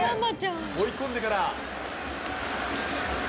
追い込んでから。